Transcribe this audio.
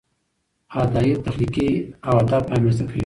ادئب تخلیقي ادب رامنځته کوي.